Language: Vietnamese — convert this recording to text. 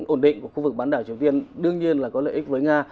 ổn định của khu vực bán đảo triều tiên đương nhiên là có lợi ích với nga